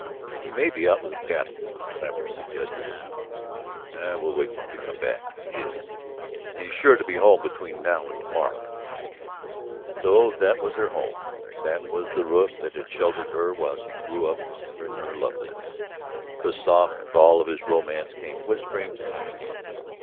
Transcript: "He may be out with the cattle," Lambert suggested. "We'll wait for him to come back, if he is. He's sure to be home between now and tomorrow." So that was her home, that was the roof that had sheltered her while she grew in her loveliness. The soft call of his romance came whispering to him again.